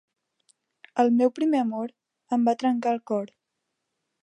El meu primer amor em va trencar el cor.